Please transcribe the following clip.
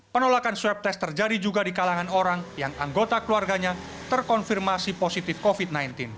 penolakan swab test terjadi juga di kalangan orang yang anggota keluarganya terkonfirmasi positif covid sembilan belas